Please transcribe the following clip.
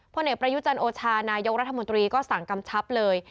เอกประยุจันโอชานายกรัฐมนตรีก็สั่งกำชับเลย